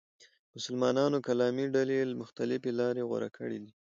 مسلمانانو کلامي ډلې مختلفې لارې غوره کړې دي.